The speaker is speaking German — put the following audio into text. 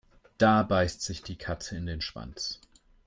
Da beißt sich die Katze in den Schwanz.